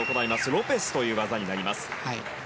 ロペスという技になります。